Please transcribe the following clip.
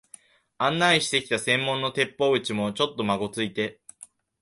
案内してきた専門の鉄砲打ちも、ちょっとまごついて、